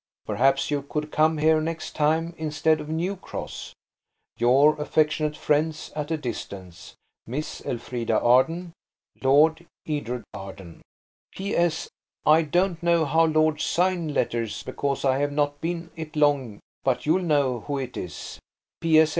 "Perhaps you could come here next time instead of New Cross. "Your affectionate friends at a distance, (MISS) ELFRIDA ARDEN, (LORD) EDRED ARDEN. "PS.–I don't know how lords sign letters because I have not been it long, but you'll know who it is.